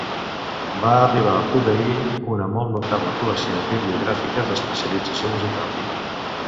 Va arribar a posseir una molt notable col·lecció bibliogràfica d'especialització musical.